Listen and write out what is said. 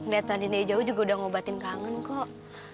lihat rani naya jauh juga udah ngobatin kangen kok